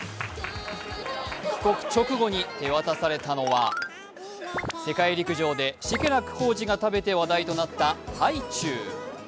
帰国直後に手渡されたのは世界陸上でシェケラックコーチが食べて話題となったハイチュウ。